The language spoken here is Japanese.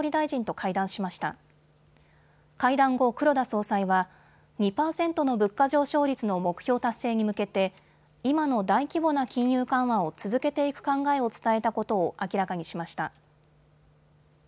会談後、黒田総裁は２％の物価上昇率の目標達成に向けて今の大規模な金融緩和を続けていく考えを伝えたことを明らかにしました。